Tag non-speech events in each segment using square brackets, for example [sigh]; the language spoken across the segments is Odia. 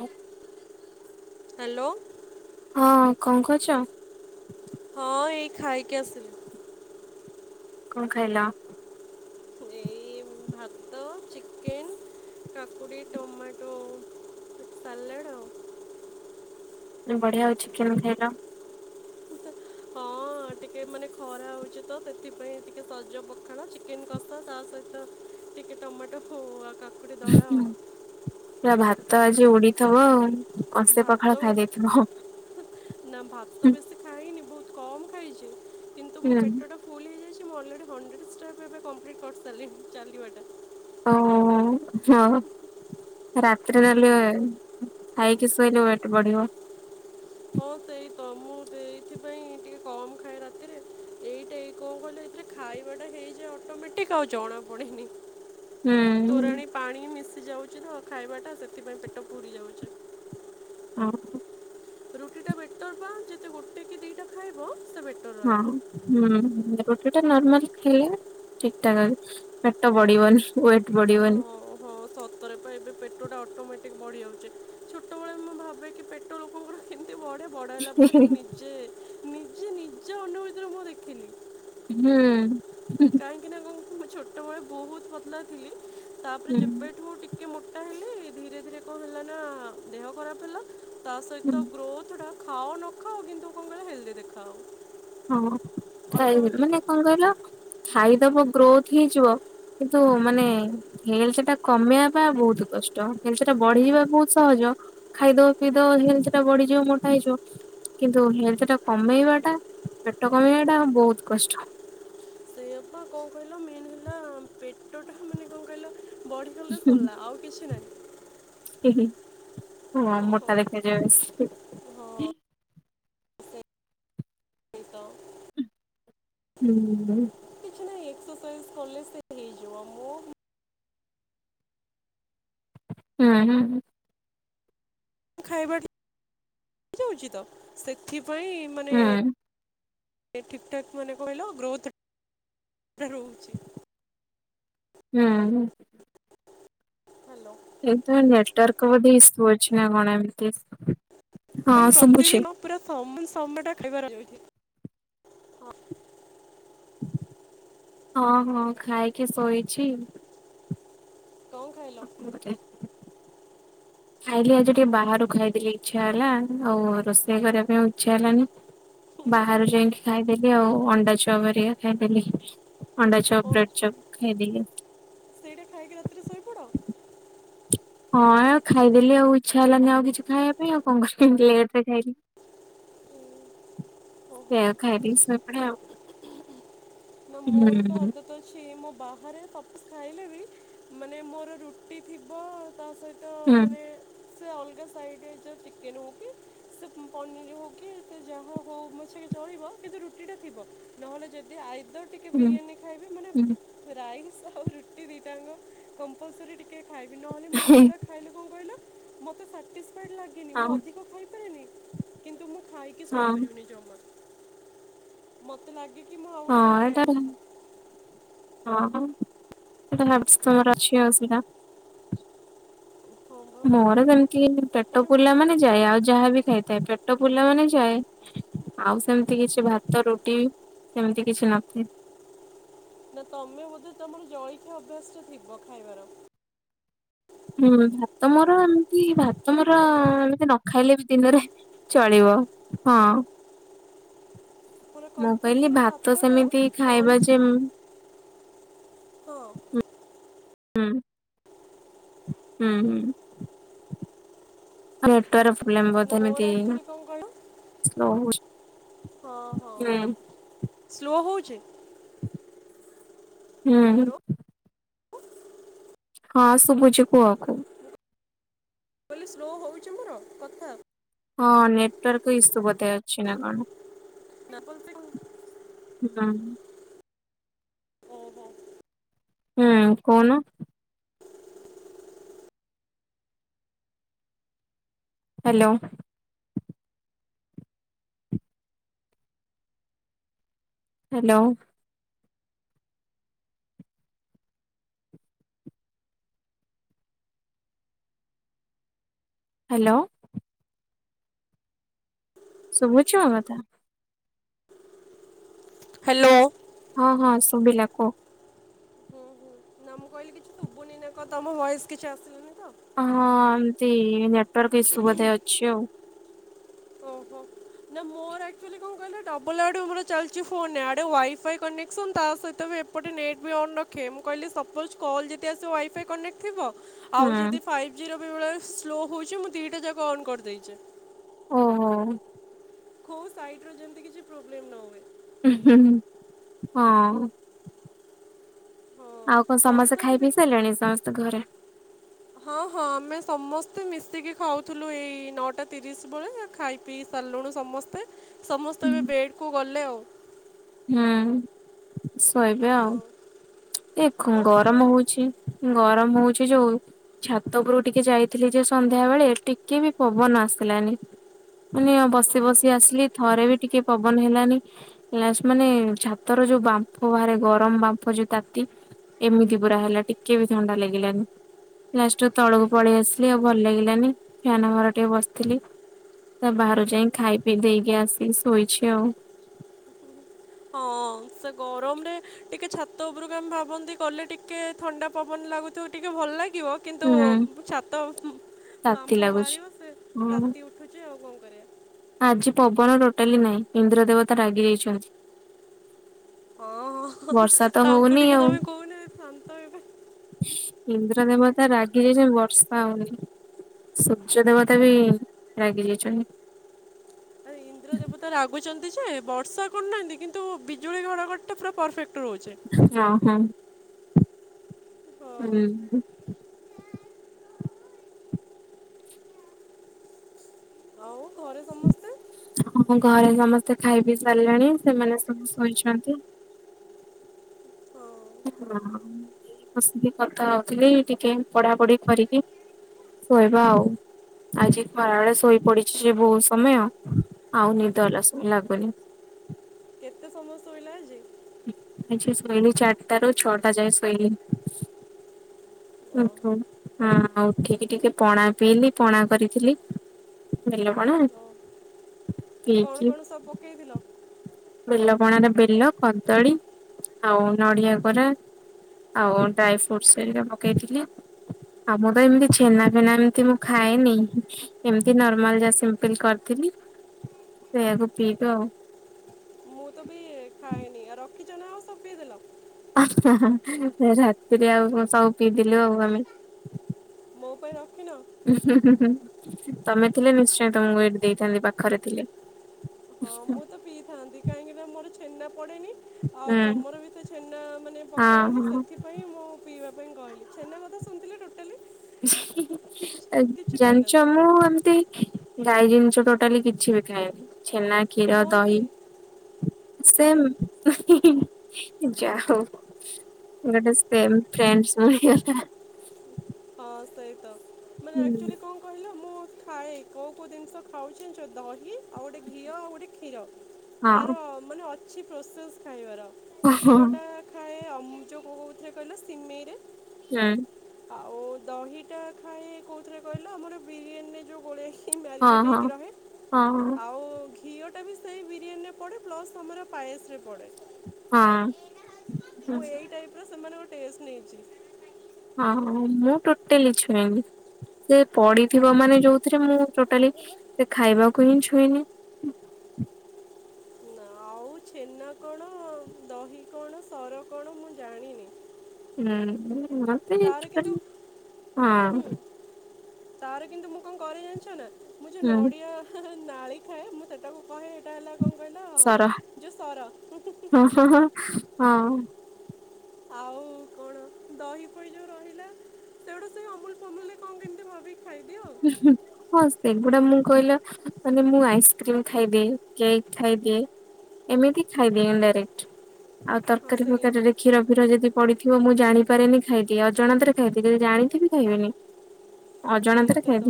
ହୁଂ ହାଲୋ ହଁ ଅଁ କଣ କରୁଚ? ହଁ ଏଇ ଖାଇକି ଆସିଲି। କଣ ଖାଇଲ? ଏଇ ଭାତ ଚିକେନ୍ କାକୁଡ଼ି ଟମାଟୋ ସାଲଡ ଆଉ। ବଢିଆ ହଉ ଚିକେନ ଖାଇଲା। ହଁ ହଁ ଟିକେ ମାନେ ଖରା ହେଉଛି ତ ସେଥିପାଇଁ ଟିକେ ସଜ ପଖାଣ ଚିକେନ୍ କଶା ତା ସହିତ ଟିକେ ଟମାଟୋ ହଉ ଆଉ କାକୁଡ଼ି ଦଳା ଆଉ ପୁରା ଭାତ ଆଜି ଉଡ଼ିଥବ ଆଉ ଅସେ ପଖାଳ ଭାତ ଖାଇ ଦେଇଥିବ? ନା ଭାତ ବେଶୀ ଖାଇନି ବହୁତ କମ୍ ଖାଇଛି କିନ୍ତୁ ମୋ ହୁଁ ପେଟଟା ଫୁଲ୍ ହେଇଯାଇଛି ମୁଁ ଅଲରେଡ଼ି ହଣ୍ଡ୍ରେଡ଼୍ ଷ୍ଟାର୍ ଏବେ କମ୍ପ୍ଲିଟ୍ କରିସାରିଲିଣି ଚାଲିବାଟା। ଓ ହୋ ହଁ। ରାତିରେ ତାହାଲେ ଖାଇକି ଶୋଇଲେ ୱେଟ ବଢ଼ିବ ହଁ ସେଇ ତ ମୁଁ ଏଇଥିପାଇଁ ଟିକେ କମ୍ ଖାଏ ରାତିରେ ଏଇଟା ଏ କଣ କହିଲ ସେ ଖାଇବା ଟା ହେଇଯାଉ ଅଟୋମେଟିକ ଆଉ ଜଣା ପଡ଼େନି। ହୁଁ। ତୋରାଣ ପାଣି ମିଶି ଯାଉଛି ତ ଖାଇବା ଟା ସେଥିପାଇଁ ପେଟ ଫୁଲି ଯାଉଛି। ହଁ। ରୁଟି ଟା ବେଟର ପ ଯେତେ ଗୋଟେ କି ଦିଟା ଖାଇବ ପେଟ ହଁ ହଁ ରୁଟି ଟା ନର୍ମାଲ ଖାଇଲେ ଠିକ ଠାକ। ପେଟ ବଢ଼ିବନି ୱେଟ୍ ବଢ଼ିବନି। ଓହୋ। ସତରେ ପା ଏବେ ପେଟଟା ଅଟୋମେଟିକ୍ ବଢ଼ିଯାଉଛି ଛୋଟବେଳେ ମୁଁ ଭାବେ କି ପେଟ ଲୋକଙ୍କର କେମିତି ବଢ଼େ ବଡ଼ ହେଲା ପରେ ନିଜେ ନିଜେ ନିଜ ଅନୁଭୂତିରୁ ମୁଁ ଦେଖିଲି। ହୁଁ। କାହିଁକିନା କଣ ମୁ ଛୋଟବେଳେ ବହୁତ ପତଳା ଥିଲି ତାପରେ ହୁଁ ଯେବେ ଠୁ ଟିକେ ମୋଟା ହେଲି ଧୀରେ ଧୀରେ କଣ ହେଲା ନା ଦେହ ଖରାପ ହେଲା ତା ହୁଁ ସହିତ ଗ୍ରୋଥଟା ଖାଅ ନଖାଅ କିନ୍ତୁ କଣ କହିଲ ହେଲଦି ଦେଖାହବ। ହଁ ମାନେ କଣ କହିଲ ଖାଇଦବ ଗ୍ରୋଥ୍ ହେଇଯିବ କିନ୍ତୁ ମାନେ ହେଲଥ୍ ଟା କମେଆ ପା ବହୁତ କଷ୍ଟ ହେଲଥ୍ ଟା ବଢିଯିବା ବହୁତ ସହଜ ଖାଇଦବ ପିଇଦବ ହେଲ୍ଥ ଟା ବଢ଼ିଯିବ ମୋଟା ହେଇଯିବ କିନ୍ତୁ ହେଲ୍ଥ ଟା କମେଇବା ଟା ପେଟ କମେଇବା ଟା ବହୁତ କଷ୍ଟ। ଏପା କଣ କହିଲ ମେନ୍ ହେଲା ପେଟଟା ମାନେ କଣ କହିଲ ବଢ଼ି ଗଲେ ସରଲା ଆଉ କିଛି ନାହିଁ। ମ ହଁ ମୋଟା ହଉ ଦେଖାଯାଏ ବେଶୀ ହଁ ସେଇ ତ ହୁଁ। କିଛି ନାଁ ଏକ୍ସରଶା ଇଜ୍ କଲେ ସେ ହେଇଯିବ ମୁଁ ହୁଁ ହୁଁ। ଖାଇବା ହଉଛି ତ ସେଥିପାଇଁ ମାନେ ହୁଁ ଠିକ୍ ଠାକ୍ ମାନେ କହିଲ ଗ୍ରୋଥ୍ ଟା ରହୁଛି। ହୁଁ ହୁଁ ହ୍ୟାଲୋ। ଏଇ ତ ନେଟୱାର୍କ ବୋଧେ ଇଶୁ ଅଛି ନା କଣ ଏମିତି ହଁ ଶୁଭୁଛି ପ୍ରତିଦିନ ପୁରା ସମ ସମଟା ଖାଇବାର ଅଛି ହଁ ହଁ ଖାଇକି ଶୋଇଛି। କଣ ଖାଇଲ? ଖାଇଲି ଆଜି ଟିକେ ବାହାରୁ ଖାଇଦେଲି ଇଚ୍ଛା ହେଲା ଆଉ ରୋଷେଇ କରିବା ପାଇଁ ଆଉ ଇଚ୍ଛା ହେଲାନି। ବାହାରୁ ଯାଇକି ଖାଇଦେଲି ଆଉ ଅଣ୍ଡା ଚପ୍ ହେରିକା ଖାଇଦେଲି। ଅଣ୍ଡା ଚପ୍ ଓ ବ୍ରେଡ଼ ଚପ୍ ଖାଇଦେଲି। ସେଇଟା ଖାଇକି ରାତିରେ ଶୋଇପଡ? ହଁ ଆଉ ଖାଇଦେଲି ଆଉ ଇଚ୍ଛା ହେଲାନି ଆଉ କିଛି ଖାଇବା ପାଇଁ ଆଉ କଣ କରିବି ଲେଟ୍ ରେ ଖାଇଲି। ହୁଁ ସେଇଆ ଖାଇଦେଇ ଶୋଇପଡ ଆଉ। [unintelligible] ହୁଁ ସିଏ ମୋ ବାହାରେ ପପ୍ସ୍ ଖାଇଲେ ବି ମାନେ ମୋର ରୁଟି ଥିବ ତା ସହିତ ତ ହୁଁ ମାନେ ସେ ଅଲଗା ସାଇଡ୍ ହେଇଥାଉ ଚିକେନ୍ ହଉ କି ସେ ପନିର୍ ହଉ କି ସେ ଯାହା ହଉ ପଛେକେ ଚଳିବ କିନ୍ତୁ ରୁଟି ଟା ଥିବ। ନହେଲେ ଯଦି ଆଇଦର୍ ଟି ହୁଁ ବିରିୟାନୀ ଖାଇବେ ହୁଁ। ମାନେ ରାଇସ୍ ଆଉ ରୁଟି ଦିଟାଙ୍କ କମ୍ପଲ୍ସରି ଟିକେ ଖାଇବି ନହେଲେ ମୁଁ ଏଇଗୁଡା ଖାଇଲେ କଣ କହିଲ ମତେ ସାଟିସ୍ଫାଏଡ୍ ଲାଗେ ନି ମୁଁ ହଁ ଅଧିକ ଖାଇପାରିନି କିନ୍ତୁ ମୁଁ ଖାଇକି ହଁ ଶୋଇପାରିବିନି ଯମା। ମତେ ଲାଗେ ହଁ କ'ଣ ଏଟା ଖାଇବା କଥା ଓହୋ ସେଇଟା ଭାବିଚି ତମର ଅଛି ଅସୁବିଧା। ହଁ ବା ମୋର ସେମିତି ସେଟା ପେଟ ବି ମୁଁ ପୁରିଲା ମାନେ ଯାଏ ଆଉ ଯାହାବି ଖାଇ ପେଟ ପୁରିଲା ମାନେ ଯାଏ ଆଉ ସେମିତି କିଛି ମୁଁ ଭାତ ରୁଟି ଏମିତି କିଛି ନଥାଏ। ନା ତମେ ବୋଧେ ତମର ଜଳିଖିଆ ଅଭ୍ୟାସ୍ ଟା ଥିବ ଖାଇବାର? ହୁଁ ଭାତ ମୋର ଏମିତି ଭାତ ମୋର ହ୍ୟାଲୋ ଏମିତି ନ ଖାଇଲେ ବି ଦିନରେ ଚଳିବ- ହଁ। ମୋର ମୁଁ କହିଲି କମ୍ପଲସରି ଭାତ ଭାତଟା ସେମିତି ଖାଇବା ଯେମ୍ ଲଞ୍ଚ [unintelligible] ହୁଁ-ଉଁ। ହୁଁ- ଆମ୍ ତାର ନା ଫ୍ଲେମ୍ପର [unintelligible] ମୋର ଆକ୍ଚୁଆଲି ହଉ-ହଉ ସ୍ଲୋ ହଉଚି? ହୁଁ। ହ୍ୟାଲୋ ହଁ ଶୁବୁଚି କୁହ। କୁହ କହିଲି ସ୍ଲୋ ହଉଚି ମୋର କଥା? ହଁ ନେଟୱାର୍କ ଇସୁ ବୋଧେ ଅଛି ନା କଣ। [unintelligible] ହୁଁ। ଓହୋ ହୁଁ କହୁନ। ହାଲୋ। ହାଲୋ। ହାଲୋ। ଶୁବୁଚି ମୋ କଥା? ହାଲୋ। ହଁ- ହଁ ଶୁଭିଲା କୁହ। ହଁ- ମୁଁ କହିଲି କିଛି ଶୁଭୁନି ନା କ ତମ ଭଏସ୍ କିଛି ଆସୁନି। ହଁ ଏମତି ନେଟୱାର୍କ ଇସୁ ବଧେ ଅଛି ଆଉ। ଓହୋ। ନା ମୋର ଆକ୍ଚୁଆଲି କଣ କହିଲ ଡବଲ୍ ଆଡୁ ମୋର ଚାଲିଚି ଫୋନ୍ ଇଆଡେ ୱାଇଫାଇ କନେକ୍ସନ୍ ତା ସହିତ ବି ଏପ୍ ଏପଟେ ନେଟ୍ ବି ଅନ୍ ରଖେ ମୁଁ କହିଲି ସପୋଜ୍ କଲ୍ ଯଦି ଆସିବ ୱାଇଫାଇ କନେକ୍ଟ ଥିବ ଆଉ ହୁଁ। ଯଦି ଫାଇଭ୍ ଜିର ବେଳେବେଳେ ସ୍ଲୋ ହଉଛି ମୁଁ ଦୁଇଟା ଯାକ ଅନ୍ କରିଦେଇଛି। ହଁ। ହୋ ସାଇଟ ର ଯେମିତି କିଛି ପ୍ରୋବ୍ଲେମ ନ ହୁଏ। ଉହୁ ହଁ ହଁ। ହଁ ଆଉ କଣ ସମସ୍ତେ ଖାଇ ତଥାପି ପିଇ ଦେଖ ସାରିଲେଣି ସମସ୍ତେ ଘରେ? ହଁ ହଁ ଆମେ ସମସ୍ତେ ମିଶିକି ଖାଉଥିଲୁ ଏଇ ନଅଟା ତିରିଶ ବେଳେ। ଖାଇ ପିଇ ସାରିଲୁଣି ସମସ୍ତେ ହୁଁ ସମସ୍ତେ ଏବେ ବେଡ଼କୁ ଗଲେ ଆଉ। ହୁଁ ଶୋଇବେ ହଁ ଆଉ ଏ ଖ ହଁ ଗରମ ଶୋଇ ହଉଛି। ଗରମ ହଉଛିି ଯୋଉ ଛାତ ଉପରୁ ଟିକେ ଯାଇଥିଲି ଯେ ସନ୍ଧ୍ୟା ବେଳେ ଟିକେ ବି ପବନ ଆସିଲାନି। ମାନେ ବସି ବସି ଓହୋ ଆସିଲି ଥରେ ବି ଟିକେ ପବନ ହେଲାନି। ଲା ମାନେ ଛାତର ଯୋଉ ବାମ୍ଫ ବାହାରେ ଗରମ ବାମ୍ଫ ଯୋଉ ତାତି ଏମିତି ପୁର ହେଲା ଟିକେ ବି ଥଣ୍ଡା ଲାଗିଲାନି। ଲାଷ୍ଟୁକୁ ତଳକୁ ପଳେଇ ଆସିଲି। ଆଉ ଭଲ ଲାଗିଲାନି ଫ୍ୟାନ ଘର ଟିକେ ବସିଥିଲି। ତା ବାହାରୁ ଯାଇ ଖାଇ ପିଇ ଦେଇକି ଆସି ଶୋଇଛି ଆଉ। ହଁ ସେ ଗରମରେ ଟିକେ ଛାତ ଉପରକୁ ଆମେ ଭାବନ୍ତି କଲେ ଟିକେ ଥଣ୍ଡା ପବନ ଲାଗୁଥିବ। ଟିକେ ଭଲ ଲାଗିବ। କିନ୍ତୁ ହୁଁ। ଛାତ ତାତି ବାମ୍ପ ଲାଗୁଛି ବାହାରିବ ସେ ହୁଁ ତାତି ଉଠୁଛି ଆଉ କଣ କରିବା? ଆଜି ପବନ ଟୋଟାଲି ନାହିଁ। ଇନ୍ଦ୍ର ଦେବତା ରାଗି ଯାଇଛନ୍ତି। ହଁ ହଁ ବର୍ଷା ତ ତାଙ୍କୁ ହଉନି ଟିକେ ଆଉ ତମେ କହୁନା ଶାନ୍ତ ହେବେ। ଇନ୍ଦ୍ର ଦେବତା ରାଗି ଯାଇଛନ୍ତି ବର୍ଷା ହଉନି। ସୂର୍ଯ୍ୟ ଦେବତା ବି ରାଗି ଯାଇଛନ୍ତି। ଇନ୍ଦ୍ରଦେବତା ଦେବତା ରାଗୁଛନ୍ତି ଯେ ବର୍ଷା କରୁନାହାଁନ୍ତି କିନ୍ତୁ ବିଜୁଳି ଘଡ଼ଘଡିଟା ପୁରା ପରଫେକ୍ଟ ରହୁଛେ। ହଁ ହଁ। ହଁ ହୁଁ। ଆଉ ଘରେ ସମସ୍ତେ? ହଁ ଘରେ ସମସ୍ତେ ଖାଇ ବିି ସାରିଲେଣି ସେମାନେ ସବୁ ଶୋଇଛନ୍ତି। ହଁ ହ ମୁଁ ଏ ବସିକି କଥା ହଉଥିଲି ଟିକେ ପଢାପଢି କରିକି ଶୋଇବା ଆଉ। ଆଜି ଖରାବେଳେ ଶୋଇ ପଡିଛି ସେ ବହୁତ ସମୟ ଆଉ ନିିଦ ସ ଲାଗୁନି। କେତେ ସମୟ ସୋଇଲ ଆଜି? ଶୋଇଲିି ଚାରିଟାରୁ ଛଅଟା ଯାଏ ଶୋଇଲିି। ଓହୋ ଉଠଉନୁ। ହଁ ଆଉ ଉଠିକି ଟିକେ ପଣା ପିଇଲି ପଣା କରିଥିଲି। ବେଲ ପଣା ହଉ। କଣ କଣ ସବୁ ପକେଇଥିଲ? ବେଲପଣା ର ବେଲ କଦଳୀ ଆଉ ନଡ଼ିଆ କୋରା ଆଉ ଡ୍ରାଇ ଫ୍ରୁଟ୍ସ ହେରିକା ପକେଇଥିଲି। ଆଉ ମୁଁ ତ ଏମିତି ଛେନା ପିନା ଏମିତି ମୁଁ ଖାଏନି। ଏମିତି ନର୍ମାଲ ଯାହା ସିମ୍ପଲ କରିଥିଲି ସେୟାକୁ ପିଇଲି ଆଉ। ମୁଁ ତ ବି ଖାଏନି। ରଖିଛ ନା ଆଉ ସବୁ ପିଦେଲ? ରାତିରେ ଆଉ ସବୁ ପିଇଥିଲୁ ଆଉ ଆମେ। ମୋ ପାଇଁ ରଖିନ? ତମେ ଥିଲେ ନିଶ୍ଚୟ ତମକୁ ଏଇଠି ଦେଇଥାନ୍ତି ପାଖରେ ଥିଲେ। ହଁ ହୁଁ ମୁଁ ତ ପିଇଥାନ୍ତି କାହିଁକିନା ମୋର ଛେନା ପଡ଼େନି। ଆଉ ତମର ବି ତ ଛେନା ମାନେ ପକା ହଉନି। ହଁ ହଁ ସେଥିରେ ପାଇଁ ମୁଁ ପିଇବା ପାଇଁ କହିଲି ଛେନା କଥା ଶୁଣଥିଲେ ଟୋଟାଲି କିଛି କିଛି ଜାଣଚ ମୁଁ କହିନଥିଲି ଏମତି ଗାଈ ଜିନଷ ଟୋଟାଲି କିଛି ବି ଖାଏନି ଛେନା କ୍ଷୀର ମୋର ବି ଦହି ସେଏମ୍ ସେମ୍ ଯା ହଉ। ଗୋଟେ ସେଏମ୍ ଫ୍ରେଣ୍ଡ ଶ୍ ମିଳି ଗଲା। ହଁ ସେଇତ ମାନେ ଆଚୁଆଲି କଣ କ କହିଲ ମୁଁ ଖାଏ କୋଉ କୋଉ ଜିନିଷ ଖାଉଚି ଜାଣିଚ ଦହି ଆଉ ଗୋଟେ ଘିଅ ଆଉ ଗୋଟେ କ୍ଷୀର। ହଁ ତାର ମାନେ ଅଛି ପ୍ରୋସେସ୍ ଖାଇବାର ହଁ କ୍ଷୀର ଟା ଖାଏ ଅମୁ ଯୋଉ କୋ କୋଉଥିରେ କହିଲ ସିମେଇରେ। ହୁଁ। ଆଉ ଦହିଟା ଖାଇଏ କୋଉଥିରେ କହିଲ ଆମର ବିରିୟାନୀରେ ଯୋଉ ଗୋଳେଇ ଖି ହଁ ମ୍ୟାରିନେଟ୍ ହଁ ହୋଇକି ରହେ ହଁ ଆଉ। ଘିଅଟା ବି ସେଇ ବିରିୟାନୀରେ ପଡ଼େ ପ୍ଲସ୍ ଆମର ପାଏସରେ ପଡ଼େ। ହଁ। ହୁଁ ମୁଁ ଏଇ ଟାଇପ୍ ର ସେମାନଙ୍କ ଟେଷ୍ଟ ନେଇଚି। ହଁ ହଁ ମୁଁ ଟୋଟାଲି ଛୁଇଁନି। ସେ ପଡିଥିବ ମାନେ ଯୋଉଥିରେ ମୁଁ ଟୋଟାଲି ସେ ଖାଇବାକୁ ହିଁ ଛୁଇଁନି। ନା ଆଉଛି। ଛେନା କଣ ଦହି କଣ ସର କଣ ମୁଁ ଜାଣିନି। ତାର ହୁଁ କିନ୍ତୁ ହୁଁ ହଁ। ତାର କିନ୍ତୁ ମୁଁ କଣ କରେ ଜାଣିଛ ନା ମୁଁ ଯୋଉ ହୁଁ ନଡିଆ ନାଳି ଖାଏ ମୁଁ ସେଟାକୁ କହେ ହେଟା ହେଲା କଣ କହିଲା ଯୋଉ ସର। ହ ହ ହଁ। ଆଉ ପୋଡ ଦହି ପହି ଯୋଉ ରହିଲା ସେଗୁଡା ସେ ଅମୁଲ୍ ଫମୁଲ୍ ରେ କଣ କେମିତି ଭାବିକି ଖାଇଦି ଏ। ଉଁ ହୁଁ। ହଁ ସେଗୁଡା ମୁଁ କହିଲିବା ମାନେ ମୁଁ ଆଇସ୍କ୍ରିମ ଖାଇଦିଏ କେକ୍ ଖାଇଦିଏ। ଏମିତି ଖାଇଦିଏ ଡାଇରେକ୍ଟ ଆଉ ହଁ ତରକାରୀ ସେଇ ଫରକାରୀରେ। କ୍ଷୀର ଫିର ଯଦି ପଡିଥିବ ମୁଁ ଜାଣିପାରେନି ଖାଇଦିଏ ଅଜଣତରେ ଖାଇବିଏ ଯଦି ଜାଣିଥିବି ଖାଇବିନି। ଅଜଣାତାରେ ସେଇଟା ତ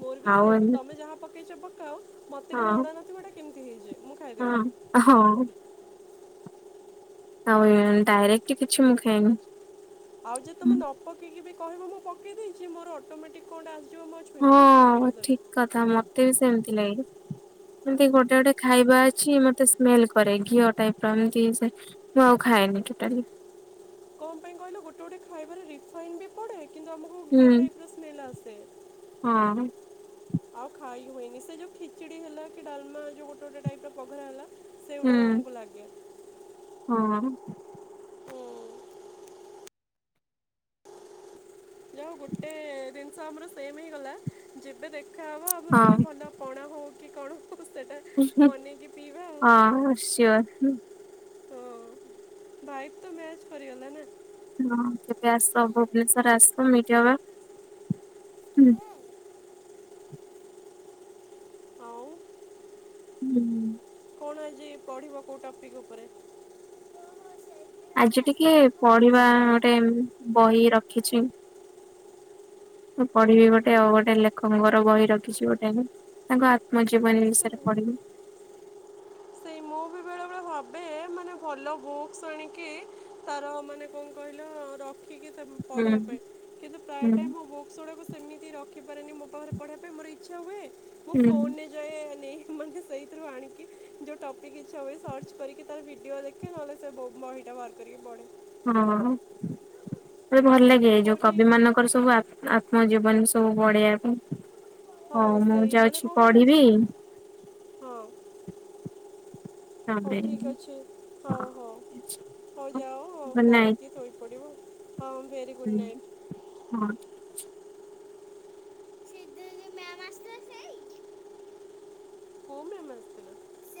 ମୋର ବି ଆଉ ସେମ ଏମି ତମେ ଯାହା ପକେଇଛ ପକା ଅ। ମୋତେ କିି ହଁ ଜଣା ନଥିବ ଏଟା କେମିତି ହେଇଚି। ହଁ ହଁ। ଆଉ ଡାଇରେକ୍ଟ କିଛି ମୁଁ ଖାଇ ନେଇଁ ଭାଉଜ ତମେ ନ ପକେଇକି ବି କହିବ ମୁଁ ପକେଇ ଦେଇଚି ମୋର ଅଟୋମେଟିକ କଣ ଆସିଯିବ ମୋ ହଁ ଠିକ୍ କଥା ମତେ ବି ସେମିତି ଲାଗେ। ଏମିତି ଗୋଟେ ଗୋଟେ ଖାଇବା ଅଛି ମତେ ସ୍ମେଲ କରେ ଘିଅ ଟାଇପର ଏମତି ସେ ମୁଁ ଆଉ ଖାଏନି ଟୋଟାଲି। କଣ ପାଇଁ କହିଲ ଗୋଟେ ଗୋଟେ ଖାଇବାରେ ରିଫାଇନ୍ ବି ପଡେ କିନ୍ତୁ ଆମ ହୁଁ। ସେଇ ଲସେ ହଁ। ଆଉ ଖାଇ ହୁଏନି ସେ ଯୋଉ ଖିଚଡି ହେଲା କି ଡାଲମା ଯୋଉ ଗୋଟେ ଗୋଟେ ଟାଇପ ର ପଘରା ହେଲା ସେଉଗୁଡାକ ହୁଁ ଆମୁକୁ ଲାଗେ। ହଁ। ହୁଁ ଯାହା ହଉ ଗୋଟେ ଜିନିଷ ଆମର ସେମ ହେଇଗଲା ଯେବେ ଦେଖାହବ ଆମର ହଁ। ଗୋଟେ ଭଲ କଣ ହଉ କି କଣ ହବ ସେଟା ହଁ କୁସ ନ କୁ ସିଓର। ହଁ ଭାଇବ୍ ତ ମ୍ୟାଚ କରିଗଲା ନା? ହଁ କେବେ ଆସ ଭୁବନେଶ୍ଵର ଆସ ମିଟ ହବା। ଆଉ ହୁଁ। କଣ ଆଜି ପଢିବ କୋଉ ଟପିକ୍ ଉପରେ? ଯୋଉ ସେଇଦିନ ଆଜି ଯେ ଟିକେ ଆସିଥିଲା ମୋ ଘରୁ ପଢିବା ସେଇ ଗୋଟେ ବହି ରଖିଛି ମୁଁ ପଢିବି ଗୋଟେ ଆଉ ଗୋଟେ ଲେଖଙ୍କର ବହି ରଖିଛି ଗୋଟେ ତାଙ୍କ ଆତ୍ମଜୀବନ ସେ ବିଷୟରେ ପଢ଼ିବି? ସେଇ ମୁଁ ବି ବେଳେବେଳେ ଭାବେ ମାନେ ଭଲ ବୁକ୍ସ ଆଣିକି ତାର ମାନେ କଣ କହିଲ ର ଖିକୀ ହୁଁ ପଢିବା ପାଇଁ କିନ୍ତୁ ପ୍ରାୟ ହୁଁ ଟାଇମ ହ ବୁକ୍ସ ଗୁଡାକ ସେମିତି ରଖିପାରେନି ମୋ ପାଖରେ ପଢିବା ପାଇଁ ମୋର ଇଛା ହୁଏ ମୁଁ ହୁଁ ଫୋନରେ ସେ ନେଇ ମୁଁ ସେଇଥିରୁ ଆଣିକି ଯୋଉ ଟପ ସେ କିଛି ହୁଏ ସର୍ଚ୍ଚ କରିକି ତାର ଭିଡ଼ିଓ ଦେଖେ ନହେଲେ ସେ ବହିଟା ବାହାର କରିକି ପଢେ। ହଁ ଯୋଉ ଭଲ ଲାଗେ ହଉ ଯୋଉ କବି ଠିକ୍ ମାନଙ୍କ ତାଙ୍କର ସବୁ ଆତ୍ମ ଜୀବନ ସବୁ ପଢ଼ିଆକୁ ହଁ ମୁଁ ସେଇ ମାନେ ଯାଉଛି କଣ କହିଲ ପଢିବି। ଯେ- ହଁ। ହଉ ତମେ ଠିକ୍ ହଁ। ଅଛି ହଉ ହଉ ଠିକ ହଉ ଅଛି। ଯାଅ ହଉ ଗୁଡ୍ ନାଇଟ୍ ପଢ଼ିକି ଶୋଇପଡ଼ିବ। ହଁ ଭେରି ଗୁଡ଼୍ ନାଇଟ୍। ହଁ। ସେ ଯୋଉ ମ୍ୟାମ୍ ଆସିଥିଲା ସେଇ କୋଉ ମ୍ୟାମ୍ ଆସିଥିଲା? ସେ